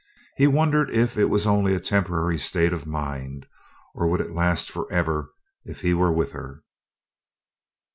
He wondered if it was only a temporary state of mind, or would it last forever if he were with her.